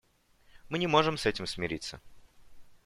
Мы не можем с этим смириться.